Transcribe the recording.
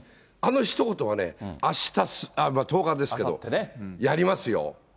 あのひと言はね、あした１０日ですけど、やりますよ。